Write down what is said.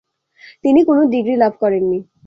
তিনি কোন ডিগ্রি লাভ করেননি।